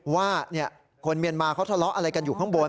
ว่าคนเมียนมาเขาทะเลาะอะไรกันอยู่ข้างบน